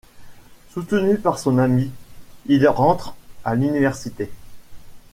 Soutenu par son amie, il rentre à l’université.